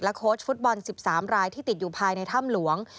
โค้ชฟุตบอล๑๓รายที่ติดอยู่ภายในถ้ำหลวง